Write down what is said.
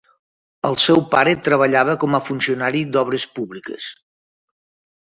El seu pare treballava com a funcionari d'obres públiques.